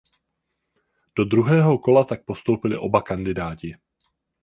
Do druhého kola tak postoupili oba kandidáti.